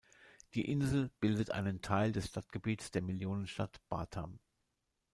Die Insel bildet einen Teil des Stadtgebiets der Millionenstadt Batam.